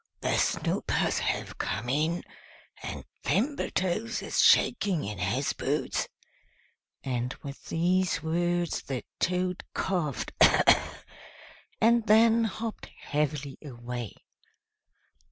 The Snoopers have come in, and Thimbletoes is shaking in his boots." And with these words the Toad coughed, and then hopped heavily away.